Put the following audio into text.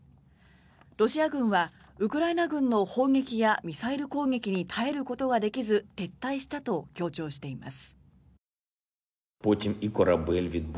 ロシア軍はウクライナ軍の砲撃やミサイル攻撃に耐えることができず撤退したと強調しています。